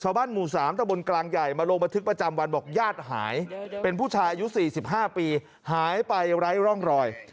หมู่๓ตะบนกลางใหญ่มาลงบันทึกประจำวันบอกญาติหายเป็นผู้ชายอายุ๔๕ปีหายไปไร้ร่องรอย